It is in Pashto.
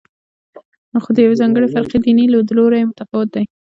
خو د یوې ځانګړې فرقې دیني لیدلوری متفاوت دی.